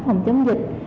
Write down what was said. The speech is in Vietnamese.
phòng chống dịch